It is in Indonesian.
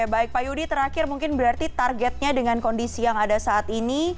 baik pak yudi terakhir mungkin berarti targetnya dengan kondisi yang ada saat ini